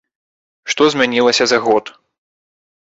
Што змянілася за год?